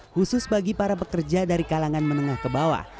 khusus bagi para pekerja dari kalangan menengah ke bawah